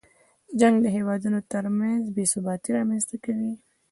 جنګ د هېوادونو تر منځ بې ثباتۍ رامنځته کوي.